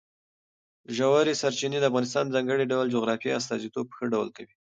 ژورې سرچینې د افغانستان د ځانګړي ډول جغرافیې استازیتوب په ښه ډول کوي.